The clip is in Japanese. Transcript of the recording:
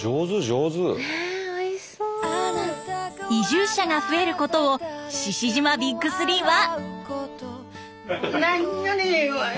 移住者が増えることを志々島ＢＩＧ３は。